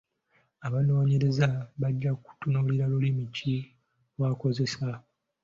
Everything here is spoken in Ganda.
Abanoonyereza bajja kutunuulira lulimi ki lw’akozesa.